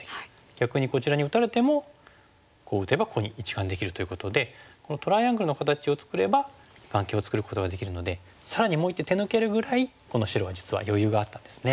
逆にこちらに打たれてもこう打てばここに１眼できるということでこのトライアングルの形を作れば眼形を作ることができるので更にもう一手手抜けるぐらいこの白は実は余裕があったんですね。